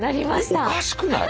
おかしくない？